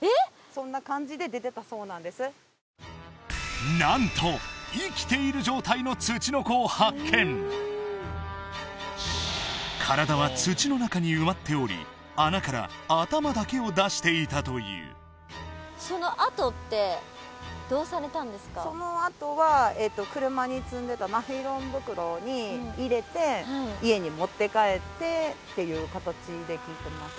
そんな感じで出てたそうなんです何と生きている状態のツチノコを発見体は土の中に埋まっており穴から頭だけを出していたというそのあとは車に積んでたナイロン袋に入れて家に持って帰ってっていう形で聞いてます